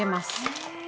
へえ。